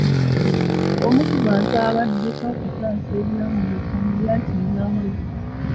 Omu ku bantu abadduka okutaasa obulamu ye Kamuyat Nangobi.